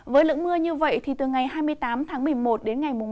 với lượng mưa như vậy từ ngày hai mươi tám một mươi một đến ngày một một mươi hai